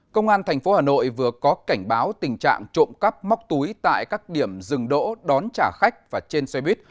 công an tp hà nội vừa có cảnh báo tình trạng trộm cắp móc túi tại các điểm dừng đỗ đón trả khách và trên xe buýt